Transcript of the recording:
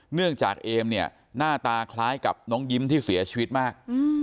เนื่องจากเอมเนี่ยหน้าตาคล้ายกับน้องยิ้มที่เสียชีวิตมาก